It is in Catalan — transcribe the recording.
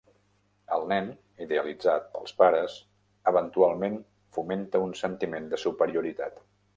El nen, idealitzat pels pares, eventualment fomenta un sentiment de superioritat.